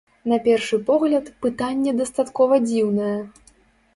На першы погляд, пытанне дастаткова дзіўнае.